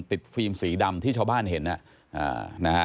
ฟิล์มสีดำที่ชาวบ้านเห็นนะฮะ